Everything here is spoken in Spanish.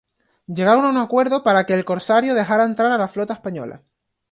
Llegaron a un acuerdo para que el corsario dejara entrar a la flota española.